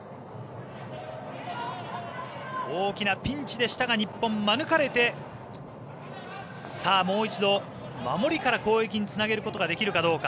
大きなピンチでしたが日本、免れてさあ、もう一度守りから攻撃につなげることができるかどうか。